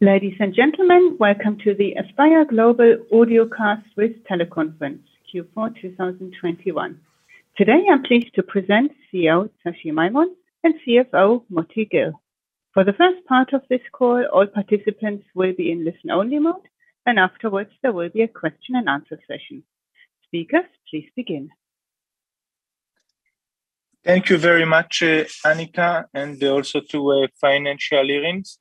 Ladies and gentlemen, welcome to the Aspire Global Audiocast with Teleconference, Q4 2021. Today, I'm pleased to present CEO Tsachi Maimon and CFO Motti Gil. For the first part of this call, all participants will be in listen-only mode, and afterwards there will be a question and answer session. Speakers, please begin. Thank you very much, Annika, and also to Financial Hearings.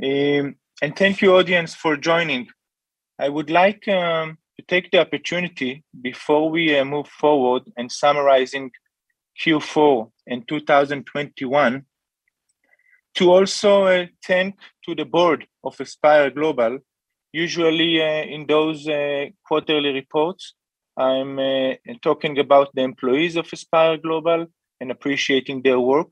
Thank you, audience, for joining. I would like to take the opportunity before we move forward in summarizing Q4 in 2021 to also thank to the board of Aspire Global. Usually, in those quarterly reports, I'm talking about the employees of Aspire Global and appreciating their work,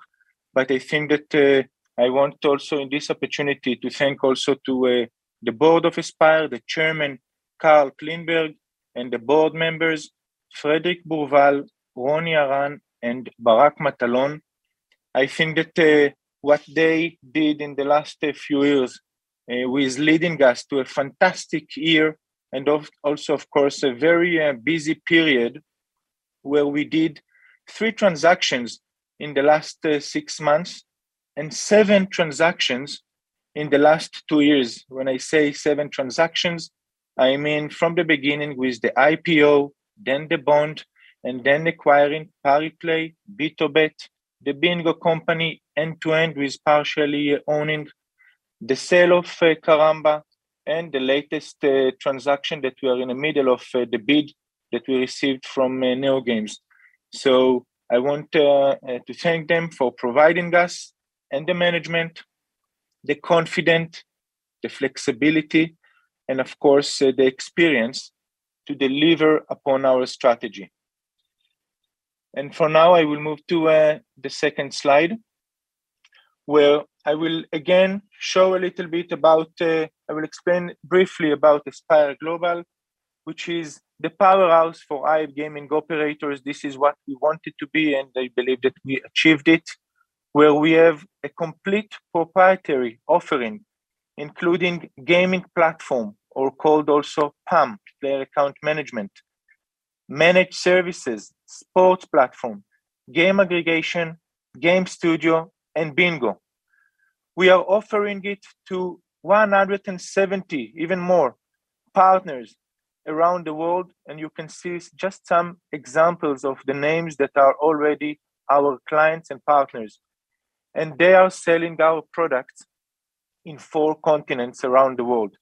but I think that I want to also in this opportunity to thank also to the board of Aspire, the Chairman Carl Klingberg, and the board members Fredrik Burvall, Aharon Aran, and Barak Matalon. I think that what they did in the last few years with leading us to a fantastic year. Of course, a very busy period where we did three transactions in the last six months and seven transactions in the last two years. When I say sevem transactions, I mean from the beginning with the IPO, then the bond, and then acquiring Pariplay, BtoBet, the bingo company, END 2 END with partially owning the sale of Karamba and the latest transaction that we are in the middle of, the bid that we received from NeoGames. I want to thank them for providing us and the management the confidence, the flexibility, and of course, the experience to deliver upon our strategy. For now, I will move to the second slide, where I will again show a little bit about. I will explain briefly about Aspire Global, which is the powerhouse for iGaming operators. This is what we wanted to be, and I believe that we achieved it, where we have a complete proprietary offering, including gaming platform or called also PAM, player account management, managed services, sports platform, game aggregation, game studio, and bingo. We are offering it to 170, even more partners around the world, and you can see just some examples of the names that are already our clients and partners, and they are selling our products in four continents around the world.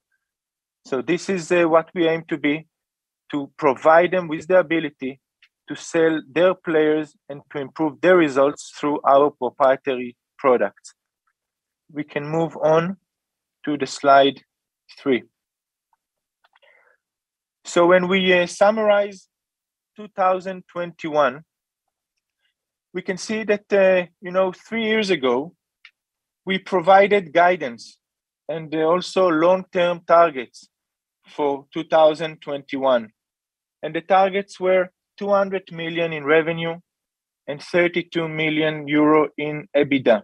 This is what we aim to be, to provide them with the ability to sell their players and to improve their results through our proprietary products. We can move on to the slide three. When we summarize 2021, we can see that, you know, three years ago, we provided guidance and also long-term targets for 2021, and the targets were 200 million in revenue and 32 million euro in EBITDA.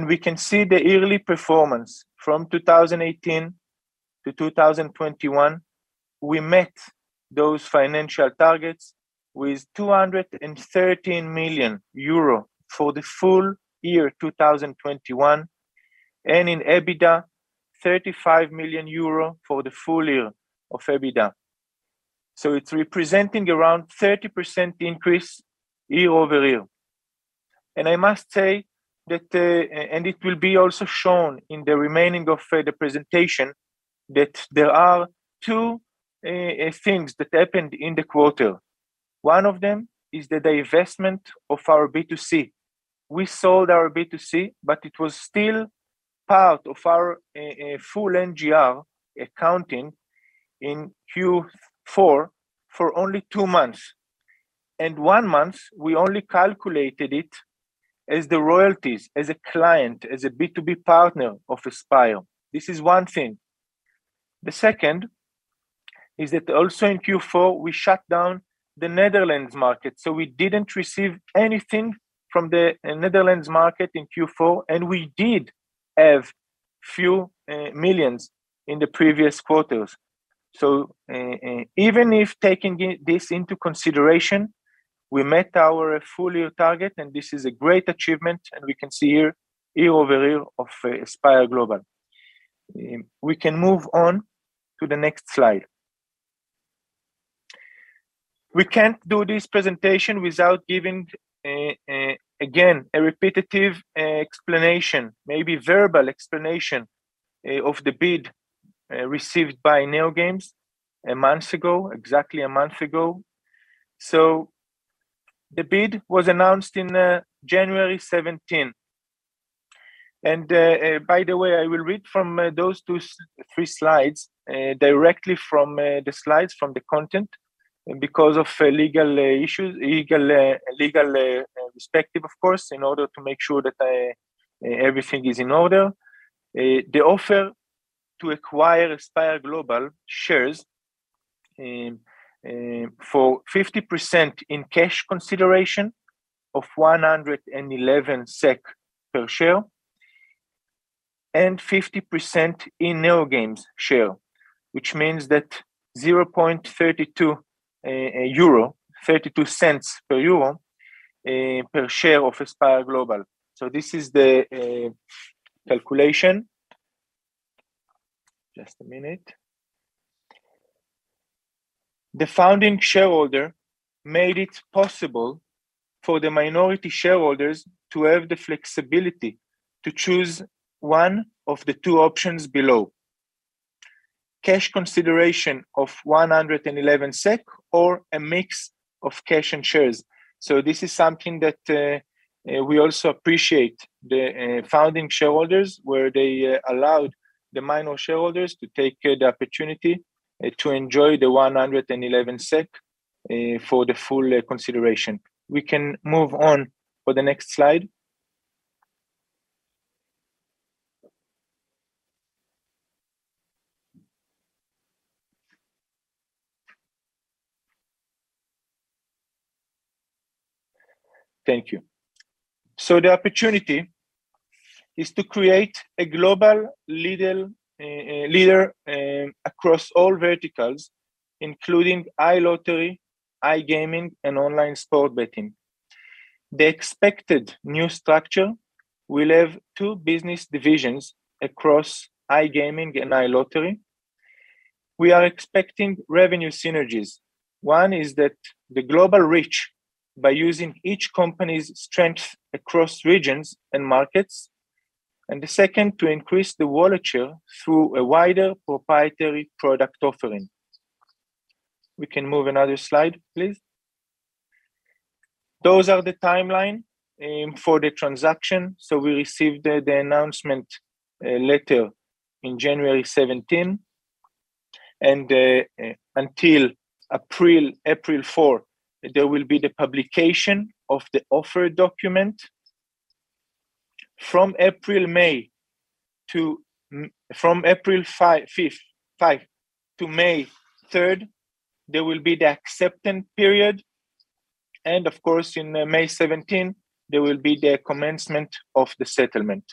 We can see the yearly performance from 2018 to 2021. We met those financial targets with 213 million euro for the full year 2021, and in EBITDA, 35 million euro for the full year of EBITDA. It's representing around 30% increase year-over-year. I must say that, and it will be also shown in the remaining of the presentation, that there are two things that happened in the quarter. One of them is the divestment of our B2C. We sold our B2C, but it was still part of our full NGR accounting in Q4 for only two months, and one month, we only calculated it as the royalties, as a client, as a B2B partner of Aspire. This is one thing. The second is that also in Q4, we shut down the Netherlands market. We didn't receive anything from the Netherlands market in Q4, and we did have a few million in the previous quarters. Even if taking this into consideration, we met our full year target, and this is a great achievement, and we can see here year-over-year of Aspire Global. We can move on to the next slide. We can't do this presentation without giving again a repetitive verbal explanation of the bid received by NeoGames a month ago, exactly a month ago. The bid was announced in January 17th. By the way, I will read from those two or three slides directly from the slides from the content because of legal issues, legal perspective, of course, in order to make sure that everything is in order. The offer to acquire Aspire Global shares for 50% in cash consideration of 111 SEK per share, and 50% in NeoGames share, which means that EUR 0.32 per share of Aspire Global. This is the calculation. Just a minute. The founding shareholder made it possible for the minority shareholders to have the flexibility to choose one of the two options below: cash consideration of 111 SEK or a mix of cash and shares. This is something that we also appreciate, the founding shareholders, where they allowed the minority shareholders to take the opportunity to enjoy the 111 SEK for the full consideration. We can move on for the next slide. Thank you. The opportunity is to create a global leader across all verticals, including iLottery, iGaming, and online sports betting. The expected new structure will have two business divisions across iGaming and iLottery. We are expecting revenue synergies. One is that the global reach by using each company's strength across regions and markets, and the second to increase the wallet share through a wider proprietary product offering. We can move another slide, please. Those are the timeline for the transaction. We received the announcement letter in January 17. Until April 4, there will be the publication of the offer document. From April 5th to May 3rd, there will be the acceptance period. Of course, in May 17, there will be the commencement of the settlement.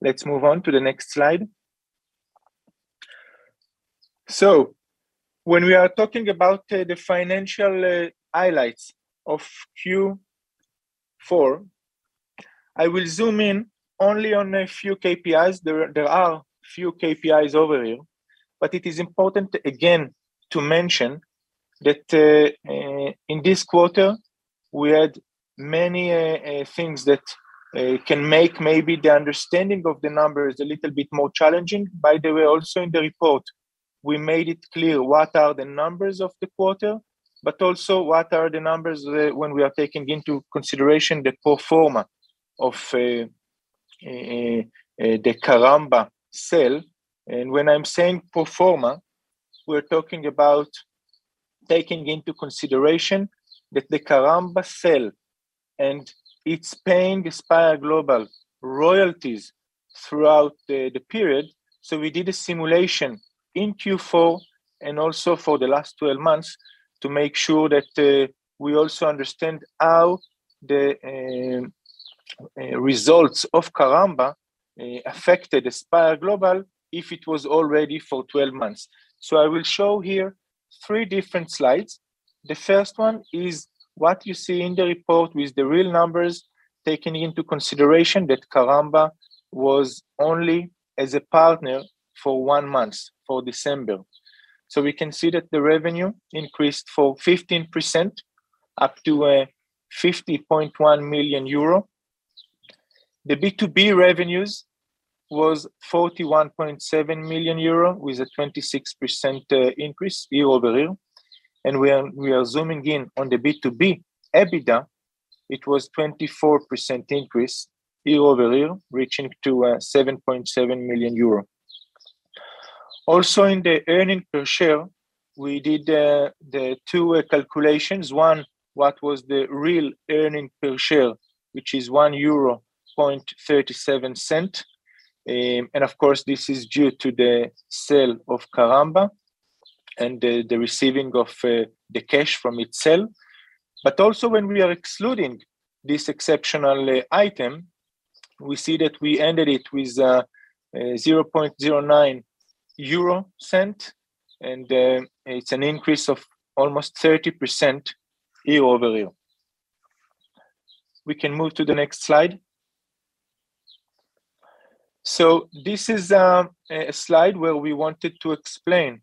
Let's move on to the next slide. When we are talking about the financial highlights of Q4, I will zoom in only on a few KPIs. There are few KPIs overview, but it is important again to mention that in this quarter we had many things that can make maybe the understanding of the numbers a little bit more challenging. By the way, also in the report, we made it clear what are the numbers of the quarter, but also what are the numbers when we are taking into consideration the pro forma of the Karamba sale. When I'm saying pro forma, we're talking about taking into consideration that the Karamba sale and it's paying Aspire Global royalties throughout the period. We did a simulation in Q4 and also for the last 12 months to make sure that we also understand how the results of Karamba affected Aspire Global if it was already for 12 months. I will show here three different slides. The first one is what you see in the report with the real numbers, taking into consideration that Karamba was only as a partner for one month, for December. We can see that the revenue increased for 15% up to 50.1 million euro. The B2B revenues was 41.7 million euro with a 26% increase year-over-year. We are zooming in on the B2B EBITDA, it was 24% increase year-over-year, reaching EUR 7.7 million. Also, in the earnings per share, we did the two calculations. One, what was the real earnings per share, which is 1.37 euro. Of course, this is due to the sale of Karamba and the receiving of the cash from its sale. Also when we are excluding this exceptional item, we see that we ended it with 0.09, and it's an increase of almost 30% year-over-year. We can move to the next slide. This is a slide where we wanted to explain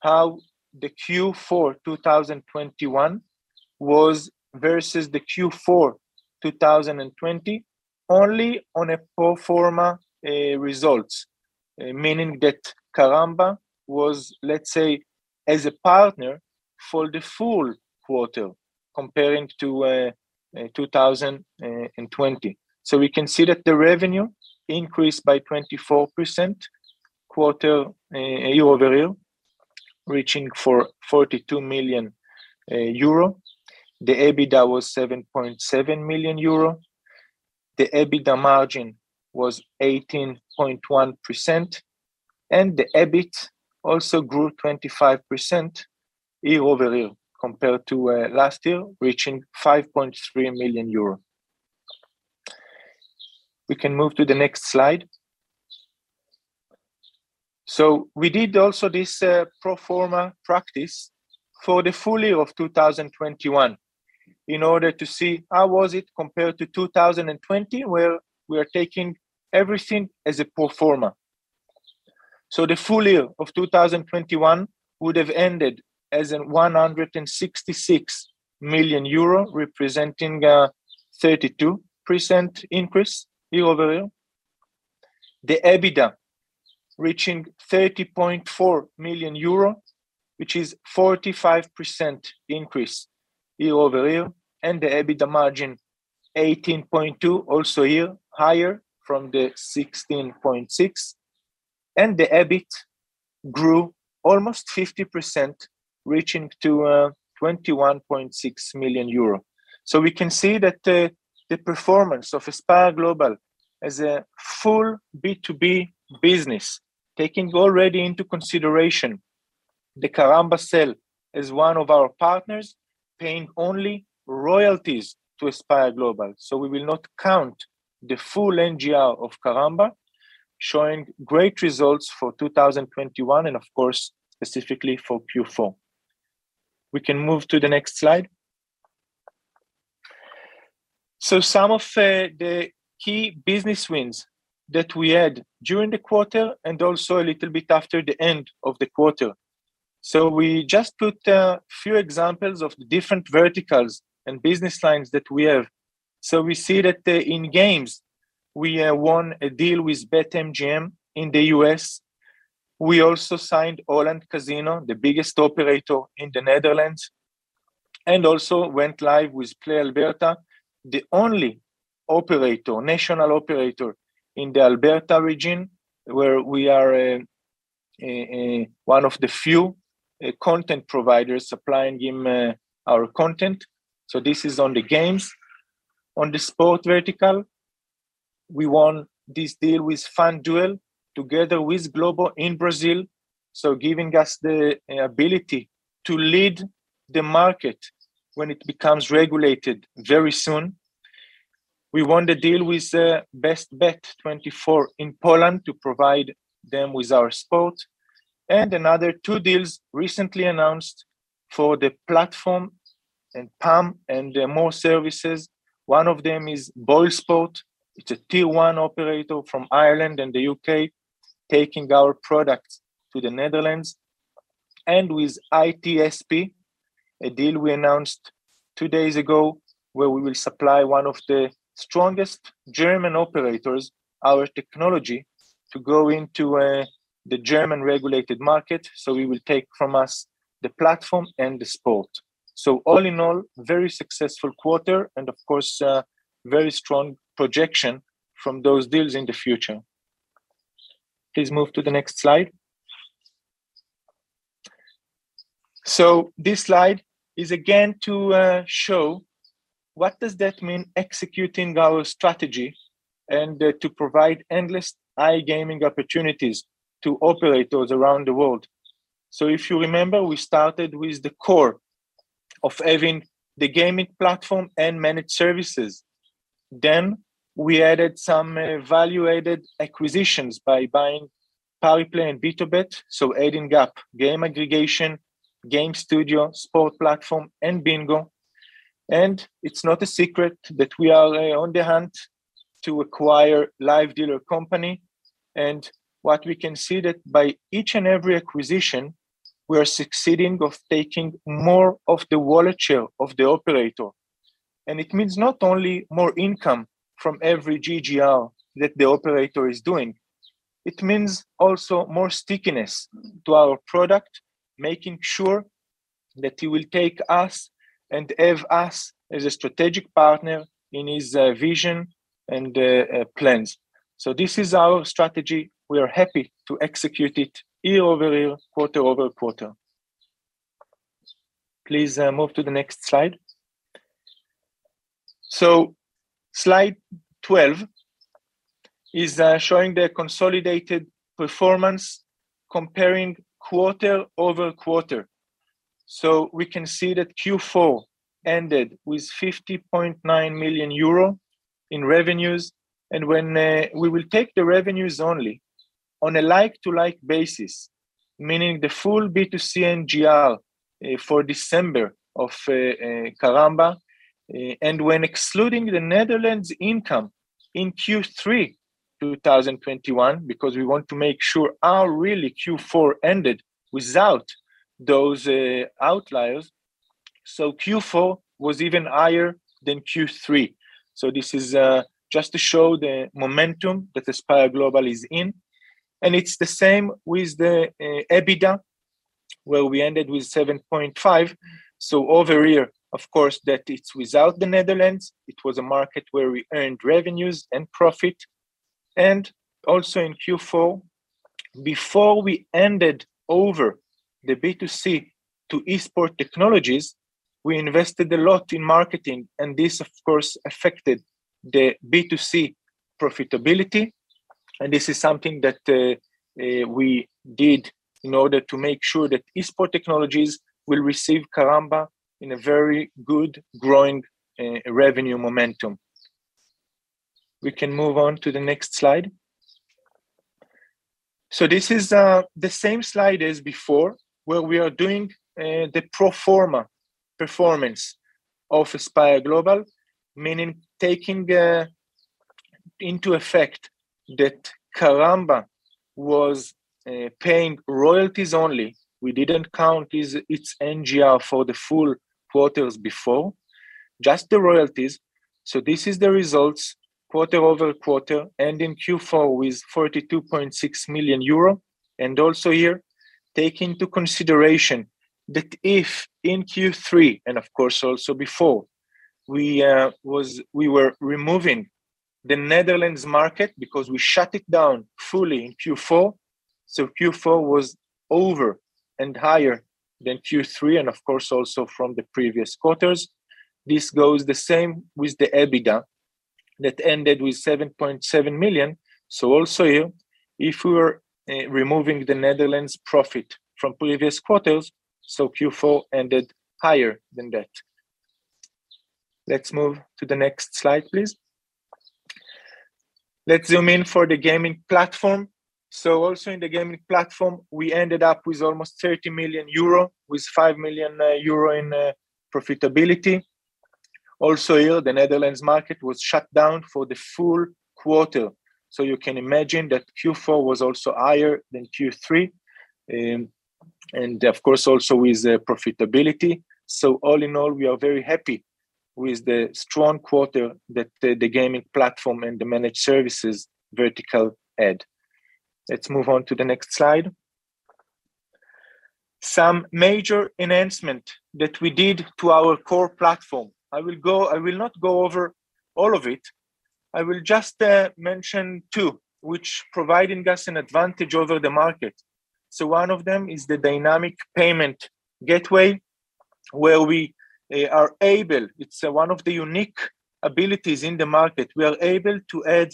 how the Q4 2021 was versus the Q4 2020 only on a pro forma results, meaning that Karamba was, let's say, as a partner for the full quarter comparing to 2020. We can see that the revenue increased by 24% quarter year-over-year, reaching 42 million euro. The EBITDA was 7.7 million euro, the EBITDA margin was 18.1%, and the EBIT also grew 25% year-over-year compared to last year, reaching 5.3 million euro. We can move to the next slide. We did also this pro forma presentation for the full year of 2021 in order to see how was it compared to 2020, where we are taking everything as a pro forma. The full year of 2021 would have ended as in 166 million euro, representing a 32% increase year-over-year. The EBITDA reaching 30.4 million euro, which is 45% increase year-over-year, and the EBITDA margin 18.2%, also year higher from the 16.6%. The EBIT grew almost 50%, reaching 21.6 million euro. We can see that the performance of Aspire Global as a full B2B business, taking already into consideration the Karamba sale as one of our partners, paying only royalties to Aspire Global. We will not count the full NGR of Karamba, showing great results for 2021 and of course specifically for Q4. We can move to the next slide. Some of the key business wins that we had during the quarter and also a little bit after the end of the quarter. We just put a few examples of the different verticals and business lines that we have. We see that in games, we have won a deal with BetMGM in the U.S. We also signed Holland Casino, the biggest operator in the Netherlands, and also went live with Play Alberta, the only operator, national operator in the Alberta region, where we are one of the few content providers supplying them our content. This is on the games. On the sport vertical, we won this deal with FanDuel together with Globo in Brazil, so giving us the ability to lead the market when it becomes regulated very soon. We won the deal with Bet24 in Poland to provide them with our sport. Another two deals recently announced for the platform and PAM and more services. One of them is BoyleSports. It's a Tier 1 operator from Ireland and the U.K., taking our products to the Netherlands. With ITSP, a deal we announced two days ago, where we will supply one of the strongest German operators with our technology to go into the German regulated market, so they will take from us the platform and the sport. All in all, very successful quarter and of course, very strong projection from those deals in the future. Please move to the next slide. This slide is again to show what that means executing our strategy and to provide endless iGaming opportunities to operators around the world. If you remember, we started with the core of having the gaming platform and managed services. Then we added some value-added acquisitions by buying Pariplay and BtoBet, so adding gap, game aggregation, game studio, sport platform and bingo. It's not a secret that we are on the hunt to acquire live dealer company. What we can see that by each and every acquisition, we are succeeding of taking more of the wallet share of the operator. It means not only more income from every GGR that the operator is doing, it means also more stickiness to our product, making sure that he will take us and have us as a strategic partner in his vision and plans. This is our strategy. We are happy to execute it year-over-year, quarter-over-quarter. Please, move to the next slide. Slide 12 is showing the consolidated performance comparing quarter-over-quarter. We can see that Q4 ended with 50.9 million euro in revenues. When we will take the revenues only on a like-for-like basis, meaning the full B2C NGR for December of Karamba, and when excluding the Netherlands income in Q3 2021, because we want to make sure how really Q4 ended without those outliers. Q4 was even higher than Q3. This is just to show the momentum that Aspire Global is in, and it's the same with the EBITDA, where we ended with 7.5 million. Over a year, of course, that it's without the Netherlands. It was a market where we earned revenues and profit. Also in Q4 before we handed over the B2C to Esports Technologies, we invested a lot in marketing, and this, of course, affected the B2C profitability, and this is something that we did in order to make sure that Esports Technologies will receive Karamba in a very good growing revenue momentum. We can move on to the next slide. This is the same slide as before, where we are doing the pro forma performance of Aspire Global, meaning taking into effect that Karamba was paying royalties only. We didn't count its NGR for the full quarters before, just the royalties. This is the results quarter over quarter, ending Q4 with 42.6 million euro, and also here take into consideration that in Q3, and of course also before, we were removing the Netherlands market because we shut it down fully in Q4, so Q4 was overall higher than Q3 and of course also from the previous quarters. This goes the same with the EBITDA that ended with 7.7 million. Also here, if we were removing the Netherlands profit from previous quarters, so Q4 ended higher than that. Let's move to the next slide, please. Let's zoom in for the gaming platform. Also in the gaming platform, we ended up with almost 30 million euro, with 5 million euro in profitability. Also here, the Netherlands market was shut down for the full quarter. You can imagine that Q4 was also higher than Q3, and of course also with the profitability. All in all, we are very happy with the strong quarter that the gaming platform and the managed services vertical had. Let's move on to the next slide. Some major enhancement that we did to our core platform. I will not go over all of it. I will just mention two which providing us an advantage over the market. One of them is the dynamic payment gateway, where we are able. It's one of the unique abilities in the market. We are able to add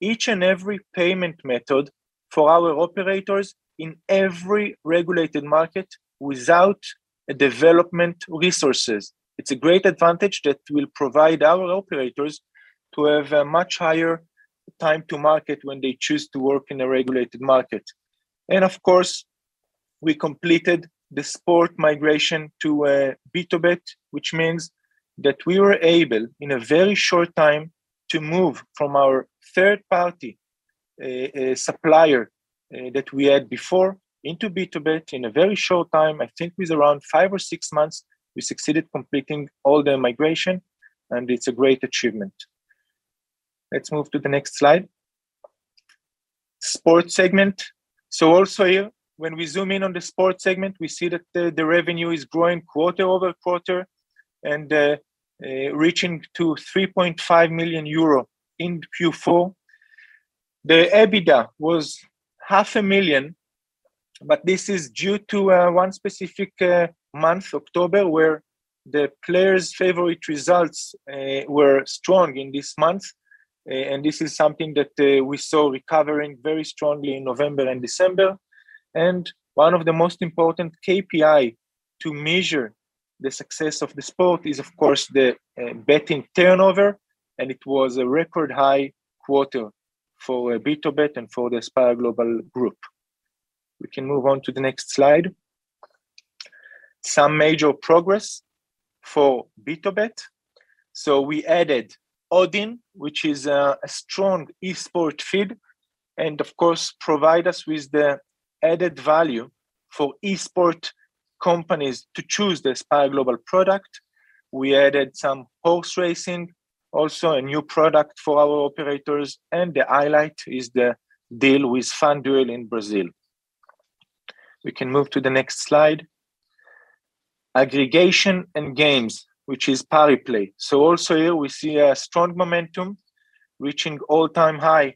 each and every payment method for our operators in every regulated market without development resources. It's a great advantage that will provide our operators to have a much higher time to market when they choose to work in a regulated market. Of course, we completed the sports migration to BtoBet, which means that we were able, in a very short time, to move from our third-party supplier that we had before into BtoBet in a very short time. I think it was around five or six months we succeeded completing all the migration, and it's a great achievement. Let's move to the next slide. Sports segment. Also here, when we zoom in on the sports segment, we see that the revenue is growing quarter-over-quarter and reaching to 3.5 million euro in Q4. The EBITDA was 500,000, but this is due to one specific month, October, where the players' favorite results were strong in this month. This is something that we saw recovering very strongly in November and December. One of the most important KPI to measure the success of the sports is, of course, the betting turnover, and it was a record high quarter for BtoBet and for the Aspire Global group. We can move on to the next slide. Some major progress for BtoBet. We added Oddin, which is a strong Esports feed, and of course, provide us with the added value for Esports companies to choose the Aspire Global product. We added some horse racing, also a new product for our operators, and the highlight is the deal with FanDuel in Brazil. We can move to the next slide. Aggregation and games, which is Pariplay. Also here we see a strong momentum reaching all-time high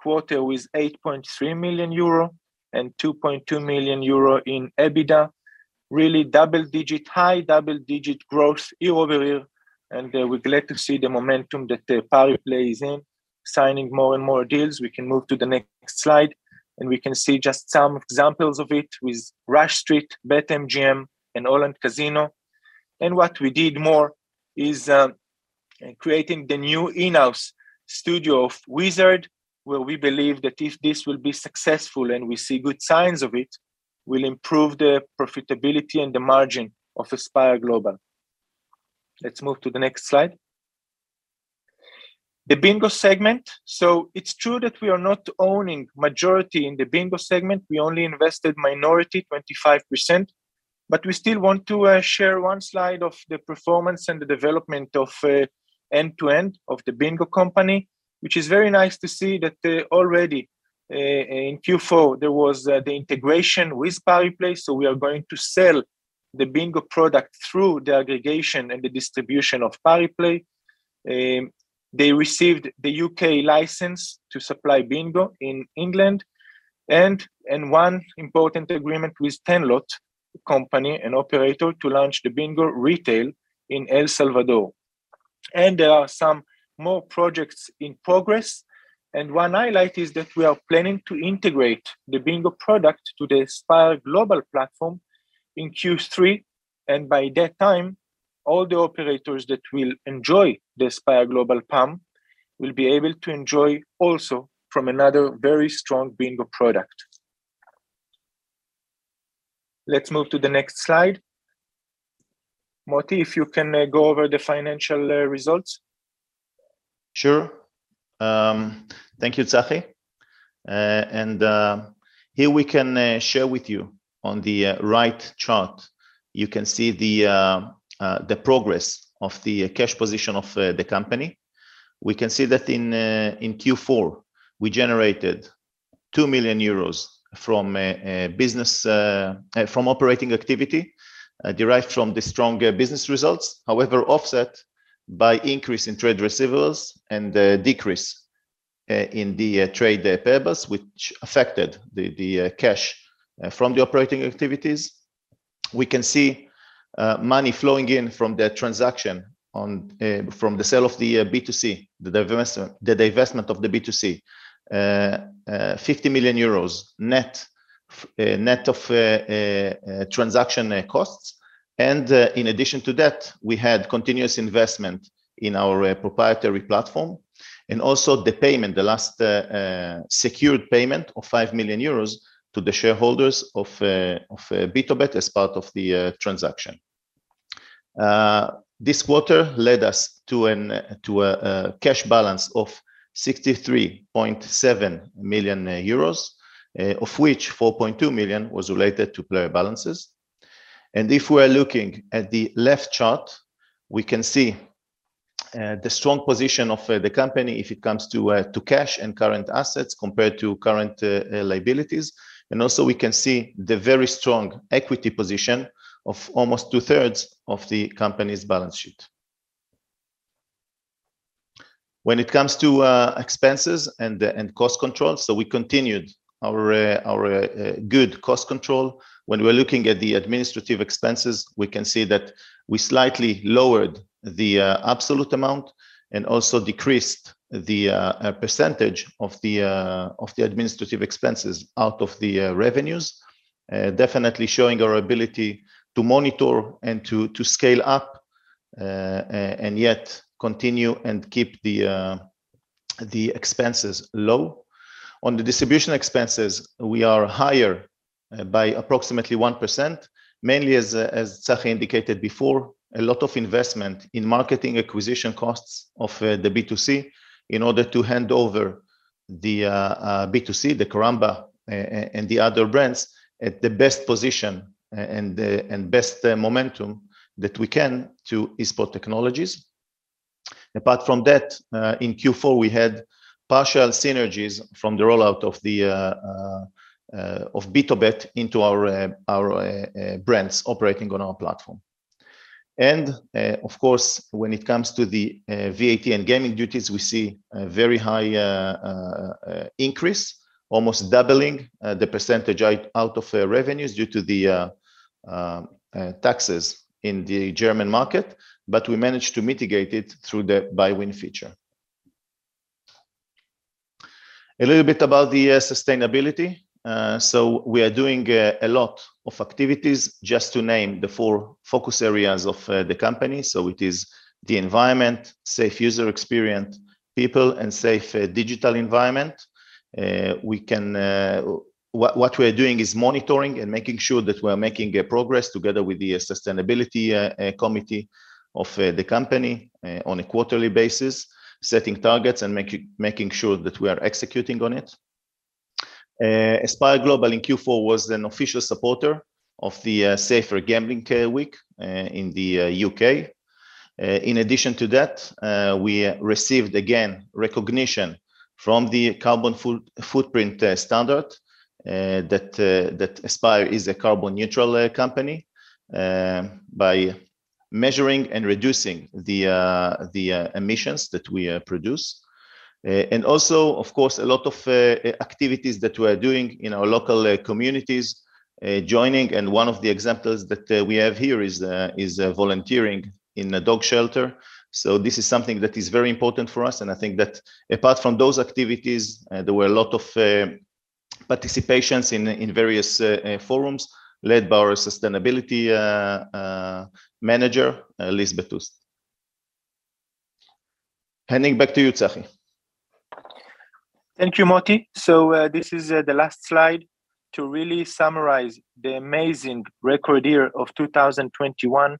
quarter with 8.3 million euro and 2.2 million euro in EBITDA. Really high double-digit growth year-over-year, and we're glad to see the momentum that Pariplay is in, signing more and more deals. We can move to the next slide, and we can see just some examples of it with Rush Street, BetMGM, and Holland Casino. What we did more is creating the new in-house studio of Wizard Games, where we believe that if this will be successful, and we see good signs of it, will improve the profitability and the margin of Aspire Global. Let's move to the next slide. The bingo segment. It's true that we are not owning majority in the bingo segment. We only invested minority, 25%, but we still want to share one slide of the performance and the development of END 2 END of the bingo company, which is very nice to see that already in Q4, there was the integration with Pariplay. We are going to sell the bingo product through the aggregation and the distribution of Pariplay. They received the U.K. license to supply bingo in England and one important agreement with Tenlot Company and operator to launch the bingo retail in El Salvador. There are some more projects in progress, and one highlight is that we are planning to integrate the bingo product to the Aspire Global platform in Q3, and by that time, all the operators that will enjoy the Aspire Global PAM will be able to enjoy also from another very strong bingo product. Let's move to the next slide. Moti, if you can, go over the financial results. Sure. Thank you, Tsachi. Here we can share with you on the right chart. You can see the progress of the cash position of the company. We can see that in Q4, we generated 2 million euros from operating activity derived from the strong business results, however, offset by increase in trade receivables and the decrease in the trade payables, which affected the cash from the operating activities. We can see money flowing in from the divestment of the B2C, 50 million euros net of transaction costs. In addition to that, we had continuous investment in our proprietary platform, and also the last secured payment of 5 million euros to the shareholders of BtoBet as part of the transaction. This quarter led us to a cash balance of 63.7 million euros, of which 4.2 million was related to player balances. If we're looking at the left chart, we can see the strong position of the company if it comes to cash and current assets compared to current liabilities. Also we can see the very strong equity position of almost 2/3 of the company's balance sheet. When it comes to expenses and cost control, we continued our good cost control. When we're looking at the administrative expenses, we can see that we slightly lowered the absolute amount and also decreased the percentage of the administrative expenses out of the revenues, definitely showing our ability to monitor and to scale up and yet continue and keep the expenses low. On the distribution expenses, we are higher by approximately 1%, mainly as Tsachi indicated before, a lot of investment in marketing acquisition costs of the B2C in order to hand over the B2C, the Karamba and the other brands at the best position and best momentum that we can to Esports Technologies. Apart from that, in Q4, we had partial synergies from the rollout of BtoBet into our brands operating on our platform. Of course, when it comes to VAT and gaming duties, we see a very high increase, almost doubling the percentage out of revenues due to the taxes in the German market, but we managed to mitigate it through the bonus buy feature. A little bit about the sustainability. We are doing a lot of activities just to name the four focus areas of the company. It is the environment, safe user experience, people, and safe digital environment. What we're doing is monitoring and making sure that we're making progress together with the sustainability committee of the company on a quarterly basis, setting targets and making sure that we are executing on it. Aspire Global in Q4 was an official supporter of the Safer Gambling Week in the U.K. In addition to that, we received again recognition from the Carbon Footprint Standard that Aspire is a carbon neutral company by measuring and reducing the emissions that we produce. Also, of course, a lot of activities that we are doing in our local communities, joining, and one of the examples that we have here is volunteering in a dog shelter. This is something that is very important for us, and I think that apart from those activities, there were a lot of participations in various forums led by our Sustainability Manager, Liz Betesh. Handing back to you, Tsachi. Thank you, Moti. This is the last slide to really summarize the amazing record year of 2021,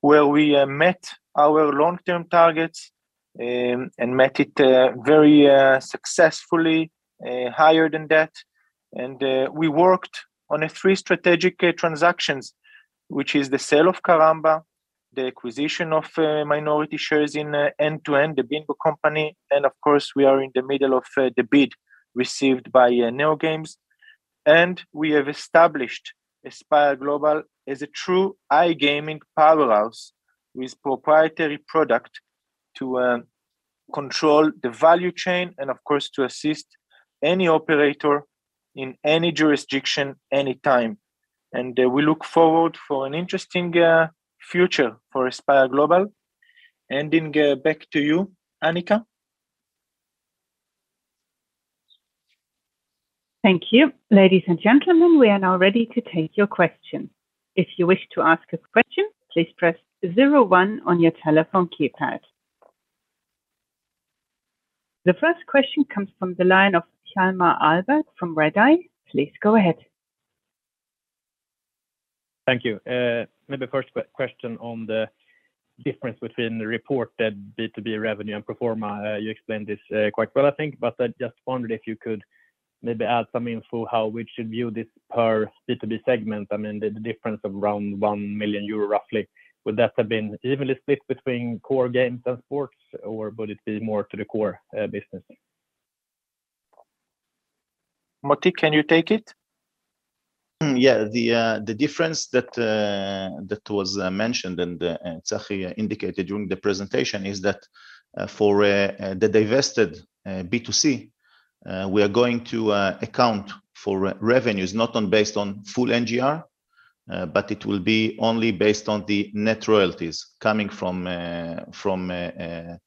where we met our long-term targets very successfully, higher than that. We worked on three strategic transactions, which is the sale of Karamba, the acquisition of minority shares in END 2 END, the bingo company, and of course, we are in the middle of the bid received by NeoGames, and we have established Aspire Global as a true iGaming powerhouse with proprietary product to control the value chain, and of course, to assist any operator in any jurisdiction any time. We look forward for an interesting future for Aspire Global. Back to you, Annika. Thank you. Ladies and gentlemen, we are now ready to take your questions. If you wish to ask a question, please press zero one on your telephone keypad. The first question comes from the line of Hjalmar Ahlberg from Redeye. Please go ahead. Thank you. Maybe first question on the difference within the report that B2B revenue and pro forma, you explained this quite well, I think. Just wondered if you could maybe add some info how we should view this per B2B segment. I mean, the difference of around 1 million euro roughly. Would that have been evenly split between core games and sports, or would it be more to the core business? Motti, can you take it? Yeah. The difference that was mentioned and Tsachi indicated during the presentation is that for the divested B2C we are going to account for revenues not based on full NGR but it will be only based on the net royalties coming from the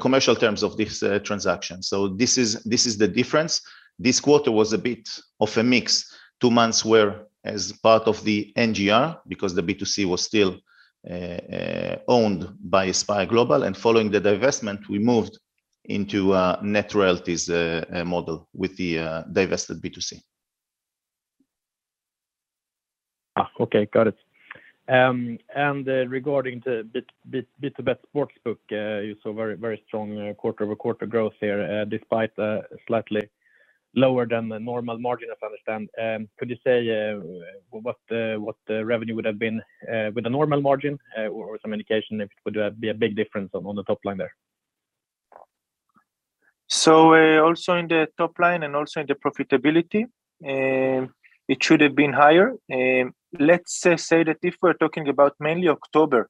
commercial terms of this transaction. This is the difference. This quarter was a bit of a mix. Two months were part of the NGR because the B2C was still owned by Aspire Global. Following the divestment, we moved into a net royalties model with the divested B2C. Okay. Got it. Regarding the BtoBet sportsbook, you saw very strong quarter-over-quarter growth here, despite a slightly lower than the normal margin, as I understand. Could you say what the revenue would have been with a normal margin, or some indication if it would be a big difference on the top line there? also in the top line and also in the profitability, it should have been higher. Let's say that if we're talking about mainly October,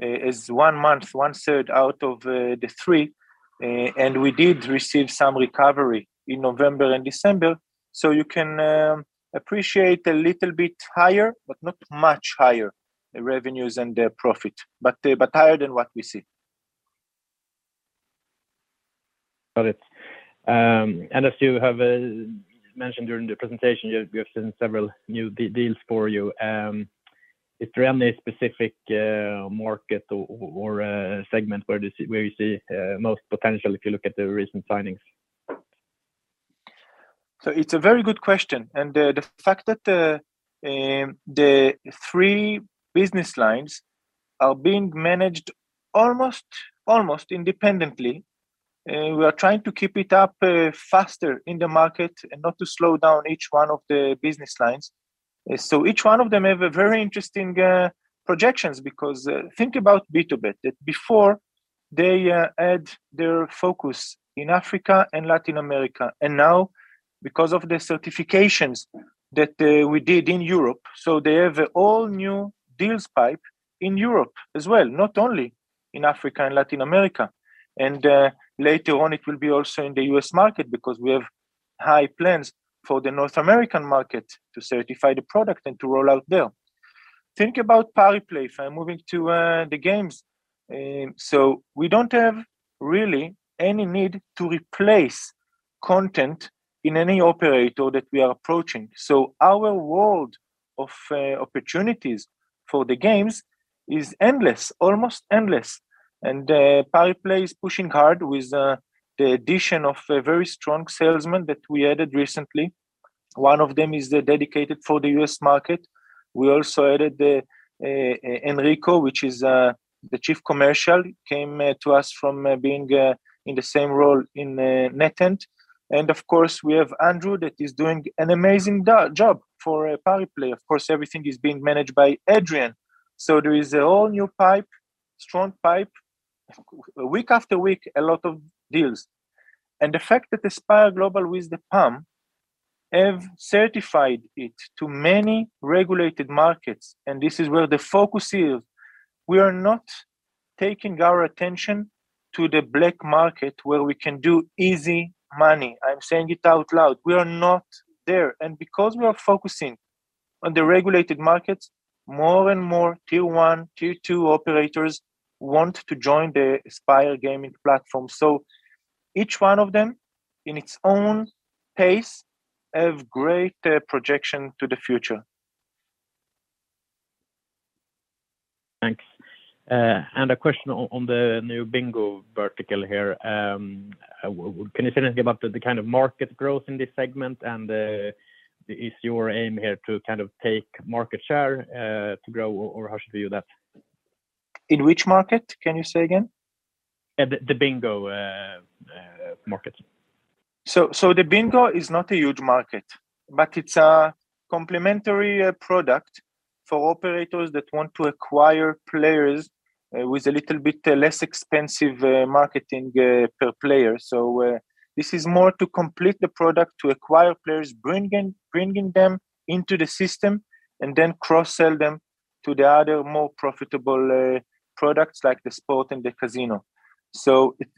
as one month, one-third out of the three, and we did receive some recovery in November and December. You can appreciate a little bit higher, but not much higher revenues and profit, but higher than what we see. Got it. As you have mentioned during the presentation, you have signed several new deals for you. Is there any specific market or a segment where you see most potential if you look at the recent signings? It's a very good question. The fact that the three business lines are being managed almost independently, we are trying to keep it up faster in the market and not to slow down each one of the business lines. Each one of them have a very interesting projections because think about BtoBet, that before they had their focus in Africa and Latin America. Now because of the certifications that we did in Europe, so they have all new deals pipeline in Europe as well, not only in Africa and Latin America. Later on it will be also in the U.S. market because we have big plans for the North American market to certify the product and to roll out there. Think about Pariplay if I'm moving to the games. We don't have really any need to replace content in any operator that we are approaching. Our world of opportunities for the games is endless, almost endless. Pariplay is pushing hard with the addition of a very strong salesman that we added recently. One of them is dedicated for the U.S. market. We also added Enrico, the chief commercial officer who came to us from being in the same role in NetEnt. Of course, we have Andrew that is doing an amazing job for Pariplay. Everything is being managed by Adrian. There is a whole new pipeline, strong pipeline, week after week, a lot of deals. The fact that Aspire Global with the PAM have certified it to many regulated markets, and this is where the focus is, we are not taking our attention to the black market where we can do easy money. I'm saying it out loud. We are not there. Because we are focusing on the regulated markets, more and more Tier 1, Tier 2 operators want to join the Aspire gaming platform. Each one of them in its own pace have great projection to the future. Thanks. A question on the new bingo vertical here. Can you say anything about the kind of market growth in this segment? Is your aim here to kind of take market share to grow, or how should we view that? In which market? Can you say again? The bingo market. The bingo is not a huge market, but it's a complementary product for operators that want to acquire players with a little bit less expensive marketing per player. This is more to complete the product to acquire players, bringing them into the system and then cross-sell them to the other more profitable products like the sport and the casino. It,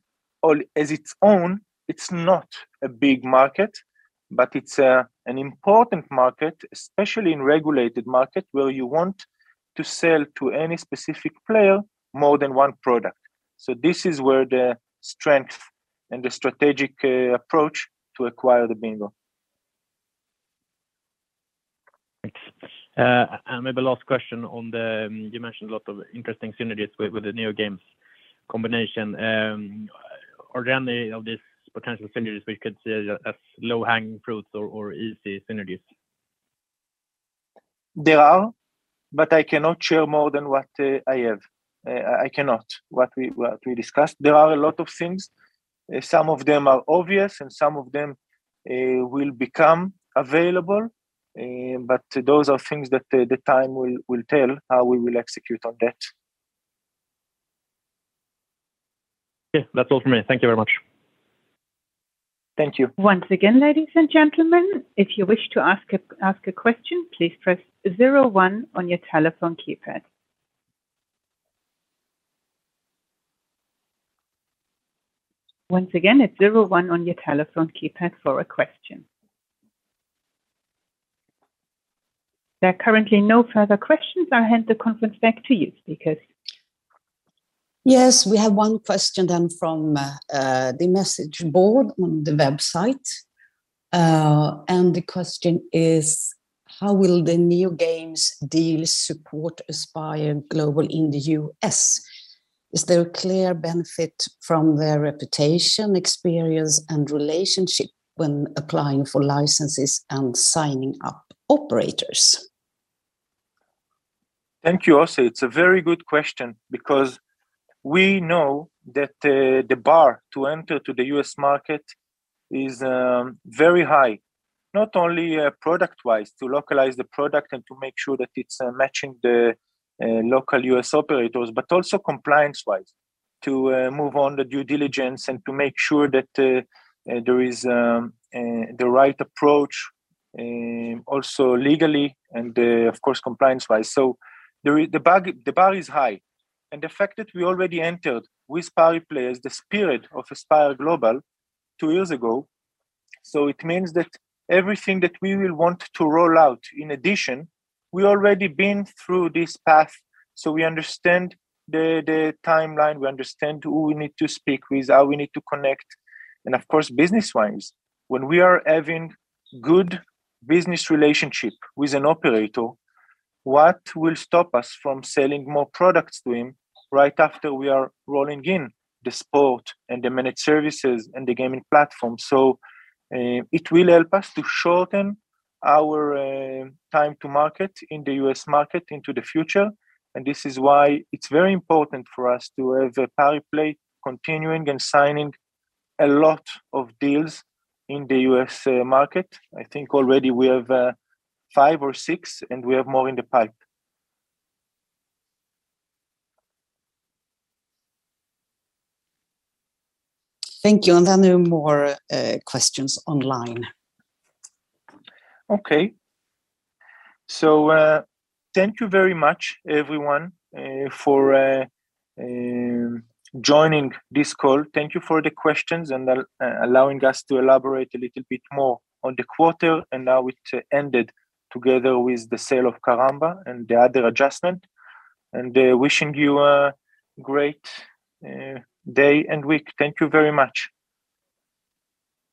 or as its own, it's not a big market, but it's an important market, especially in regulated market where you want to sell to any specific player more than one product. This is where the strength and the strategic approach to acquire the bingo. Thanks. Maybe last question. You mentioned a lot of interesting synergies with the NeoGames combination. Are there any of these potential synergies we could see as low-hanging fruits or easy synergies? There are, but I cannot share more than what I have. I cannot share more than what we discussed. There are a lot of things. Some of them are obvious and some of them will become available. But those are things that the time will tell how we will execute on that. Okay. That's all from me. Thank you very much. Thank you. Once again, ladies and gentlemen, if you wish to ask a, ask a question, please press zero one on your telephone keypad. Once again, it's zero one on your telephone keypad for a question. There are currently no further questions. I'll hand the conference back to you, speaker. Yes. We have one question then from the message board on the website. The question is: How will the NeoGames deal support Aspire Global in the U.S.? Is there a clear benefit from their reputation, experience, and relationship when applying for licenses and signing up operators? Thank you. Also, it's a very good question because we know that the bar to enter to the U.S. market is very high. Not only product-wise, to localize the product and to make sure that it's matching the local U.S. operators, but also compliance-wise, to move on the due diligence and to make sure that there is the right approach, also legally and of course, compliance-wise. The bar is high. The fact that we already entered with Pariplay as the spearhead of Aspire Global two years ago, it means that everything that we will want to roll out in addition, we already been through this path, so we understand the timeline, we understand who we need to speak with, how we need to connect. Of course, business-wise, when we are having good business relationship with an operator, what will stop us from selling more products to him right after we are rolling in the sport and the managed services and the gaming platform? It will help us to shorten our time to market in the U.S. market into the future, and this is why it's very important for us to have Pariplay continuing and signing a lot of deals in the U.S. market. I think already we have five or six and we have more in the pipe. Thank you. There are more questions online. Okay. Thank you very much everyone for joining this call. Thank you for the questions and allowing us to elaborate a little bit more on the quarter and how it ended together with the sale of Karamba and the other adjustment. Wishing you a great day and week. Thank you very much.